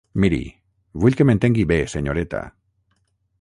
Miri, vull que m'entengui bé, senyoreta.